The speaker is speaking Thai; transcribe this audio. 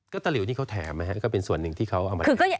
ก็ตะหลิวที่เขาแถมนะฮะก็เป็นส่วนหนึ่งที่เขาเอามา